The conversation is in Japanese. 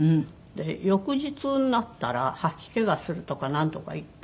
翌日になったら吐き気がするとかなんとか言って。